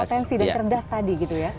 tapi tidak potensi dan cerdas tadi gitu ya